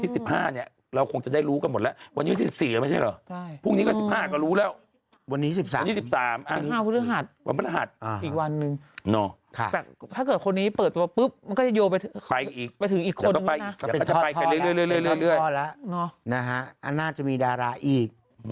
เนี้ยเราคงจะได้รู้กันหมดแล้ววันนี้สิบสิบสี่แล้วไม่ใช่เหรอใช่พรุ่งนี้ก็สิบห้าก็รู้แล้ววันนี้สิบสามวันนี้สิบสามอันนี้สิบห้าพระราชวันพระราชอ่าอีกวันหนึ่งน่ะค่ะแต่ถ้าเกิดคนนี้เปิดตัวปุ๊บมันก็จะโยงไปไปอีกไปถึงอีกคนหนึ่งน่ะพอแล้วน่ะฮะอันน่าจะมีดาราอีก